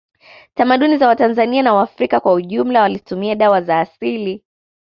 Tamaduni za watanzani na waafrika kwa ujumla walitumia dawa za asili